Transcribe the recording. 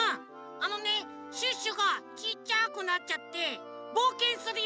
あのねシュッシュがちいちゃくなっちゃってぼうけんするゆめ！